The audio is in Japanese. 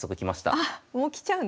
あっもうきちゃうんですね。